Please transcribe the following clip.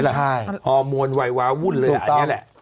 ใช่ออมวลวัยวาวุ่นเลยอะอย่างนี้แหละถูกตอบ